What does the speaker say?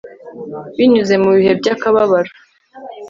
binyuze mu bihe by'akababaro